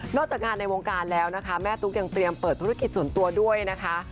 จากงานในวงการแล้วนะคะแม่ตุ๊กยังเตรียมเปิดธุรกิจส่วนตัวด้วยนะคะ